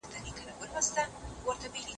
د دې آيت په تفسير کي څه ويل سوي دي؟